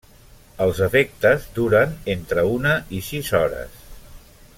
Els efectes duren entre una i sis hores.